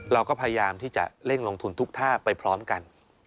เราก็พยายามที่จะเร่งลงทุนทุกท่าไปพร้อมกัน